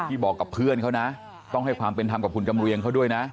บอกกับเพื่อนเขานะต้องให้ความเป็นธรรมกับคุณจำเรียงเขาด้วยนะ